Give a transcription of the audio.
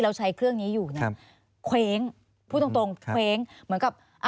แล้วใช้เครื่องนี้อยู่เนี่ยเขวงพูดตรงเขวงเหมือนกับ